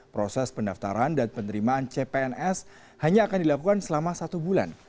proses pendaftaran dan penerimaan cpns hanya akan dilakukan selama satu bulan